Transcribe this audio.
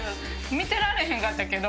見てられへんかったけど。